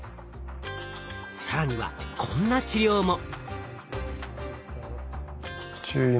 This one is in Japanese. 更にはこんな治療も。